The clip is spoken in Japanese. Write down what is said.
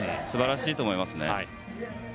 素晴らしいと思いますね。